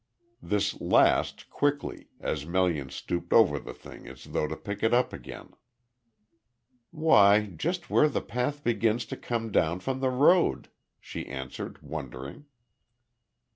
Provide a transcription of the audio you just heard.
This last quickly, as Melian stooped over the thing as though to pick it up again. "Why, just where the path begins to come down from the road," she answered, wondering.